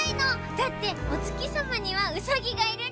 だっておつきさまにはうさぎがいるんだよ。